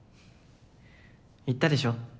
言ったでしょ